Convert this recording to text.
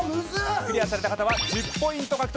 クリアされた方は１０ポイント獲得。